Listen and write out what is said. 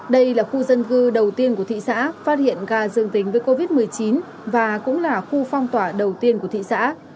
đây là khu dân cư đầu tiên của thị xã phát hiện ca dương tính với covid một mươi chín và cũng là khu phong tỏa đầu tiên của thị xã